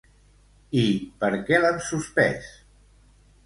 I per què l'han suspès?